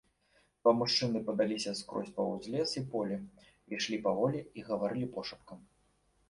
Два мужчыны падаліся скрозь паўз лес і поле, ішлі паволі і гаварылі пошапкам.